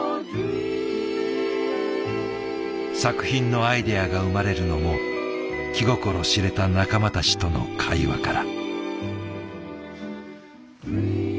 作品のアイデアが生まれるのも気心知れた仲間たちとの会話から。